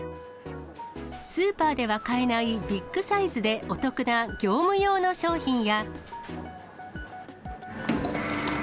スーパーでは買えないビッグサイズでお得な業務用の商品や。